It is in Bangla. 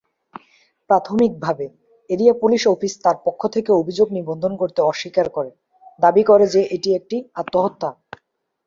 প্রাথমিকভাবে, এরিয়া পুলিশ অফিস তার পক্ষ থেকে অভিযোগ নিবন্ধন করতে অস্বীকার করে, দাবি করে যে এটি একটি আত্মহত্যা।